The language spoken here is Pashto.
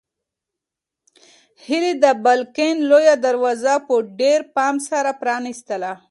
هیلې د بالکن لویه دروازه په ډېر پام سره پرانیستله.